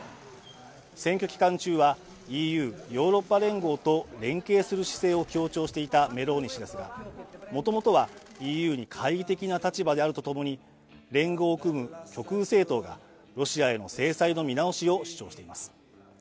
選挙期間中はＥＵ＝ヨーロッパ連合と連携する姿勢を強調していたメローニ氏ですがもともとはＥＵに懐疑的な立場であるとともに連合を組む極右政党がロシアへの制裁の見直しを主張しています